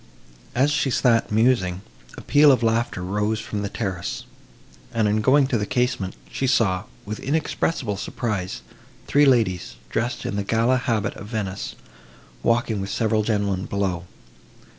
As she sat musing, a peal of laughter rose from the terrace, and, on going to the casement, she saw, with inexpressible surprise, three ladies, dressed in the gala habit of Venice, walking with several gentlemen below.